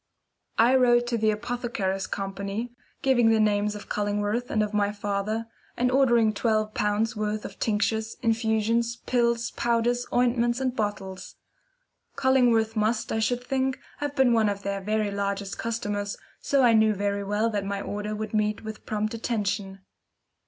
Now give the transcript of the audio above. I wrote to the Apothecaries' Company, giving the names of Cullingworth and of my father, and ordering twelve pounds' worth of tinctures, infusions, pills, powders, ointments, and bottles. Cullingworth must, I should think, have been one of their very largest customers, so I knew very well that my order would meet with prompt attention.